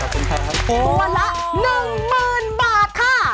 โหเป็นวันละ๑หมื่นบาทค่ะ